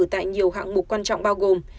tại nhiều hạng mục quan trọng bao gồm